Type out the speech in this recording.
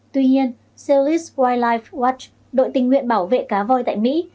tuy nhiên coes wildlife watch đội tình nguyện bảo vệ cá voi tại mỹ